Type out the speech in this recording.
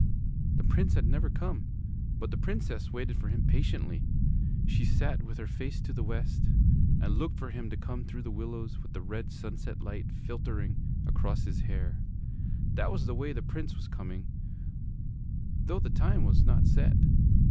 The Prince had never come, but the Princess waited for him patiently. She sat with her face to the west and looked for him to come through the willows with the red sunset light filtering across his hair. That was the way the Prince was coming, though the time was not set.